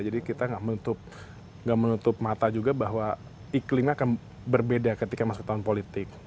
jadi kita gak menutup mata juga bahwa iklimnya akan berbeda ketika masuk tahun politik